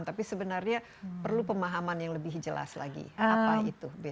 tapi sebenarnya perlu pemahaman yang lebih jelas lagi apa itu